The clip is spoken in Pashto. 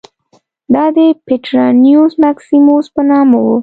دا د پټرانیوس مکسیموس په نامه و